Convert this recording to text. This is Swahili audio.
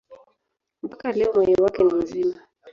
Mpaka leo moyo wake ni mzima.